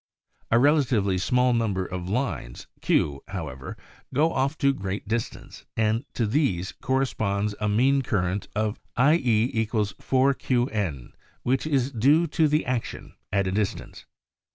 A relatively small number of lines q however, go off to great distance and to these corresponds a mean current 6f ir =.</» to which is due the action at a distance.